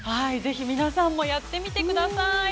ぜひ、皆さんもやってみてください。